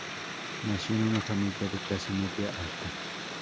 Nació en una familia de clase media alta.